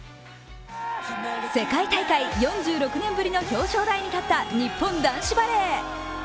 世界大会４６年ぶりの表彰台に立った日本男子バレー。